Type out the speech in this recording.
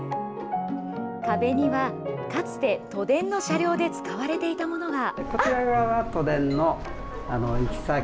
壁には、かつて、都電の車両で使われていたものが。